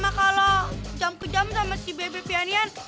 sama kalau jam ke jam sama si bebe pianian